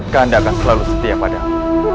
keanda akan selalu setia padamu